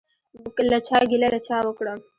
له چا ګیله له چا وکړم؟